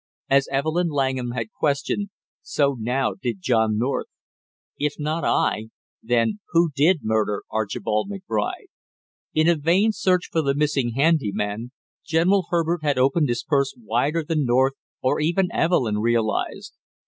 As Evelyn Langham had questioned, so now did John North: "If not I, then who did murder Archibald McBride?" In a vain search for the missing handy man, General Herbert had opened his purse wider than North or even Evelyn realized.